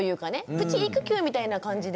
プチ育休みたいな感じで。